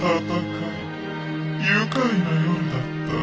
愉快な夜だった。